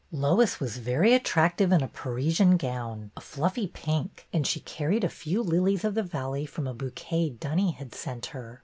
Lois was very attractive in a Parisian gown, a fluffy pink, and she carried a few lilies of the valley from a bouquet Dunny had sent her.